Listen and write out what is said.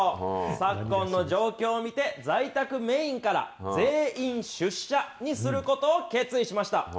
昨今の状況を見て、在宅メインから、全員出社にすることを決意しました。